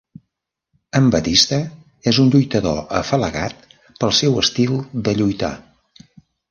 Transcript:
En Batista és un lluitador afalagat pel seu estil de lluitar.